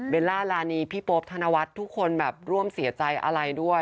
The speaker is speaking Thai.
ล่ารานีพี่โป๊ปธนวัฒน์ทุกคนแบบร่วมเสียใจอะไรด้วย